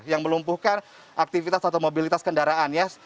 yang melumpuhkan aktivitas atau mobilitas kendaraan ya